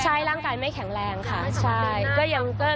ใช่ร่างกายไม่แข็งแรงค่ะใช่